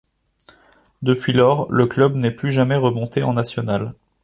Depuis lors, le club n'est plus jamais remonté en nationales.